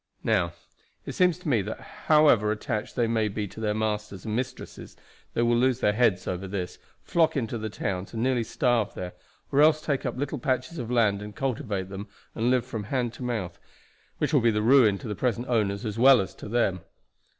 Now, it seems to me that however attached they may be to their masters and mistresses they will lose their heads over this, flock into the towns, and nearly starve there; or else take up little patches of land and cultivate them, and live from hand to mouth, which will be ruin to the present owners as well as to them.